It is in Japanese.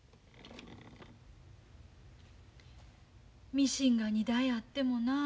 ミシンが２台あってもなあ。